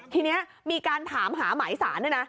ทีนี้มีการถามหาหมายสารด้วยนะ